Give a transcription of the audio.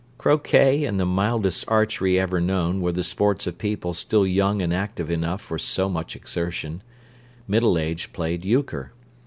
Croquet and the mildest archery ever known were the sports of people still young and active enough for so much exertion; middle age played euchre.